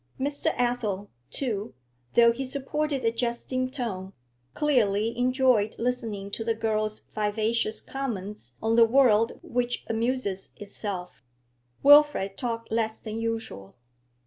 Mr. Athel, too, though he supported a jesting tone, clearly enjoyed listening to the girl's vivacious comments on the world which amuses itself. Wilfrid talked less than usual.